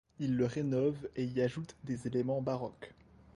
Il le rénove et y ajoute des éléments baroques.